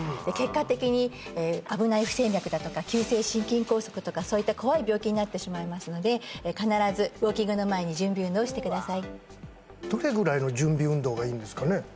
結果的に危ない不整脈だとか急性心筋梗塞とかそういった怖い病気になってしまいますので必ずどれぐらいの準備運動がいいんですかね？